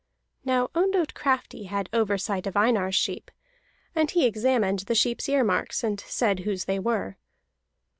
Now Ondott Crafty had oversight of Einar's sheep, and he examined the sheep's ear marks, and said whose they were.